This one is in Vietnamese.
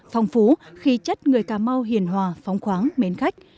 phong phú khi chất người cà mau hiền hòa phóng khoáng mến khách